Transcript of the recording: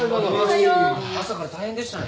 朝から大変でしたね。